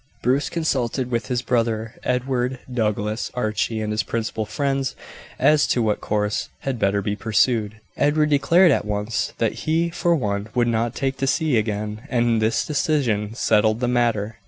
Bruce consulted with his brother Edward, Douglas, Archie, and his principal friends as to what course had better be pursued. Edward declared at once that he for one would not take to sea again; and this decision settled the matter.